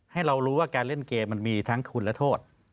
ให้เรารู้ว่าการเล่นเกมมันมีทั้งคุณและโทษ